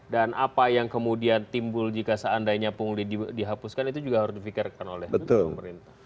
dan apa yang kemudian timbul jika seandainya pungli dihapuskan itu juga harus difikirkan oleh pemerintah